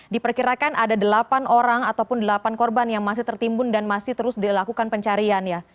diperkirakan ada delapan orang ataupun delapan korban yang masih tertimbun dan masih terus dilakukan pencarian ya